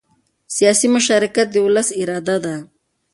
سیاسي مشارکت د ولس اراده ده